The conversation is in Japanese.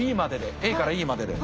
ＡからＥまでで。